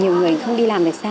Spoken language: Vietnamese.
nhiều người không đi làm được xa